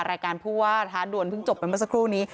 รายการไถดวนเพิ่งจบไปมาสักครู่หนี้